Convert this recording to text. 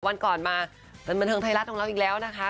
วันก่อนมาบันเทิงไทยรัฐของเราอีกแล้วนะคะ